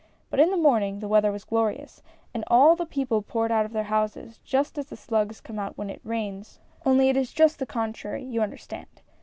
But in the morning the weather was glorious, and all the people poured out of their houses, just as the slugs come out when it rains, only it is just the contrary, you under stand